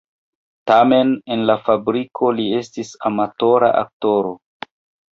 Tamen en la fabriko li estis amatora aktoro.